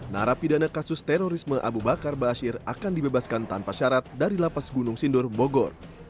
narapidana kasus terorisme abu bakar bashir akan dibebaskan tanpa syarat dari lapas gunung sindur bogor